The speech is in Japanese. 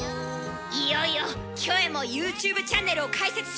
いよいよキョエもＹｏｕＴｕｂｅチャンネルを開設します。